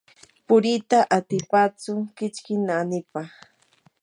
puriita atipachu kichki naanipa.